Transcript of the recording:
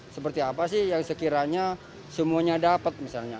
seperti apa sih yang sekiranya semuanya dapat misalnya